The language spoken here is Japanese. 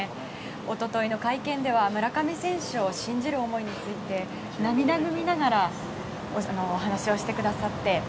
一昨日の会見では村上選手を信じる思いについて涙ぐみながらお話をしてくださって。